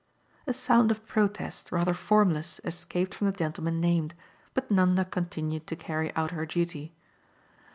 A sound of protest rather formless escaped from the gentleman named, but Nanda continued to carry out her duty.